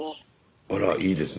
あらいいですね。